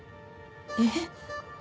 えっ？